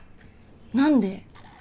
何で？